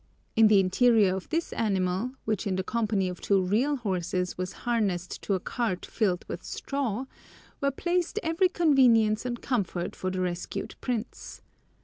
In the interior of this animal, which in the company of two real horses was harnessed to a cart filled with straw, were placed every convenience and comfort for the rescued prince.